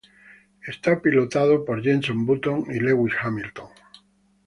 Es pilotado por Jenson Button y Lewis Hamilton.